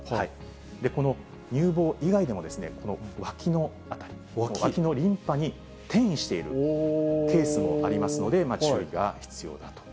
この乳房以外でも、このわきの辺り、わきのリンパに転移しているケースもありますので、注意が必要だと。